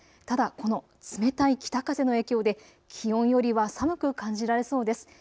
ただこの冷たい北風の影響で気温よりは寒く感じられそうです。